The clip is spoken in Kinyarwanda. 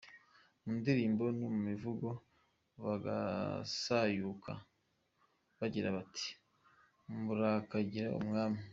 Mu ndirimbo no mu mivugo bagasayuka bagira bati, ‘murakagira umwami’.